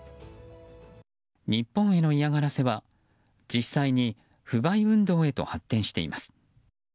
日本への嫌がらせは実際に不買運動へと発展しています。